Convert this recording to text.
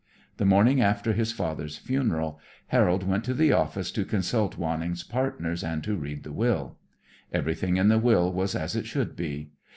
The morning after his father's funeral, Harold went to the office to consult Wanning's partners and to read the will. Everything in the will was as it should be.